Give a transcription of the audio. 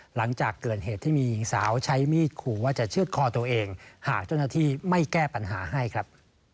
หลังจากเกิดเหตุที่มีหญิงสาวใช้มีดขู่ว่าจะเชื่อดคอตัวเองหากเจ้าหน้าที่ไม่แก้ปัญหาให้ครับ